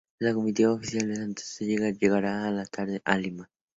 La comitiva oficial de la Santa Sede llegará en la tarde a Lima.